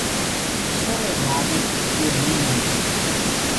Soledade de Minas